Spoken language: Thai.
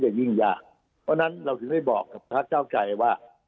จะยิ่งยากเพราะนั้นเราจะทำให้บอกค้าเจ้าไก่ว่า